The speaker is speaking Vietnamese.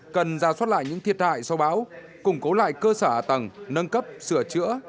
cần ra soát lại những thiệt hại sau bão củng cố lại cơ sở hạ tầng nâng cấp sửa chữa